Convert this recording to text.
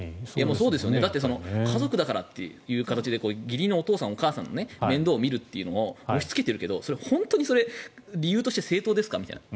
家族だからという形で義理のお父さん、お母さんの面倒を見るのを押しつけているけどそれ、理由として本当に正当ですかと。